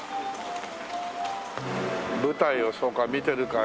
舞台をそうか見てるか。